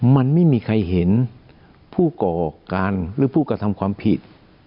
มันไม่มีใครเห็นผู้ก่อการหรือผู้กระทำความผิด